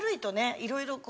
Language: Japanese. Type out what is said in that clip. いろいろこう。